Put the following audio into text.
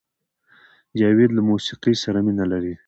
جاوید له موسیقۍ سره مینه لرله